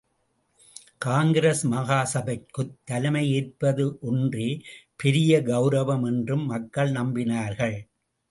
காங்கிரஸ் மகா சபைக்குத் தலைமை ஏற்பது ஒன்றே பெரிய கெளரவம் என்றும் மக்கள் நம்பினார்கள்.